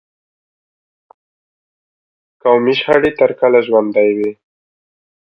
قومي شخړې تر کله ژوندي وي.